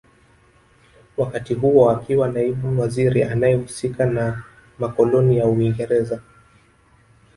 Wakati huo akiwa naibu waziri anaehusika na makoloni ya Uingereza